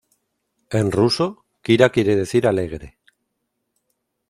En ruso, Kira quiere decir "alegre".